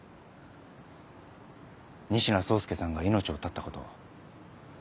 仁科壮介さんが命を絶ったこと。